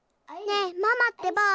ねえママってば！